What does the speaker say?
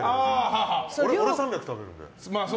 俺が３００食べるんで。